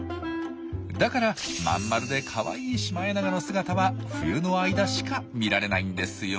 だからまん丸でかわいいシマエナガの姿は冬の間しか見られないんですよ。